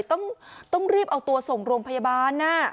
ต้องต้องรีบเอาตัวส่งลงพยาบาลนะ